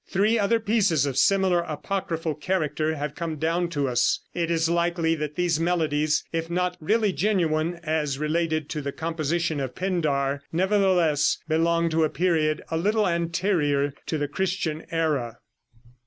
Three other pieces of similar apocryphal character have come down to us. It is likely that these melodies, if not really genuine, as related to the composition of Pindar, nevertheless belong to a period a little anterior to the Christian era.